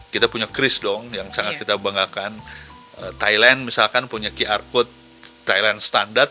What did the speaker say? kita punya kris dong yang sangat kita banggakan thailand misalkan punya qr code thailand standard